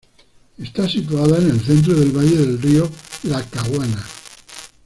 Está situada en el centro del valle del río Lackawanna.